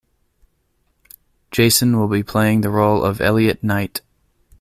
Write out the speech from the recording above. Jason will be playing the role of Elliot Knight.